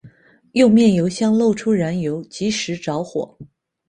右面油箱漏出燃油即时着火。